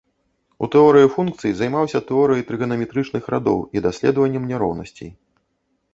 У тэорыі функцый займаўся тэорыяй трыганаметрычных радоў і даследаваннем няроўнасцей.